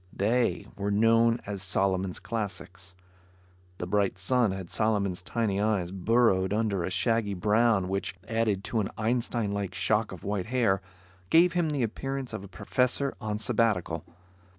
They were known as Solomon's "Classics." The bright sun had Solomon's tiny eyes burrowed under a shaggy brow which, added to an Einstein like shock of white hair, gave him the appearance of a professor on sabbatical.